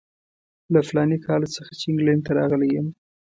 له فلاني کال څخه چې انګلینډ ته راغلی یم.